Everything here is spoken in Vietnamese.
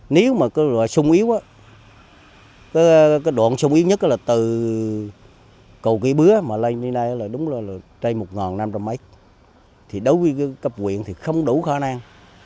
nếu mà xung yếu cái đoạn xung yếu nhất là từ cầu cây bứa mà lên đến nay là đúng là trây một năm trăm linh mấy thì đối với cấp quyền thì không đủ khả năng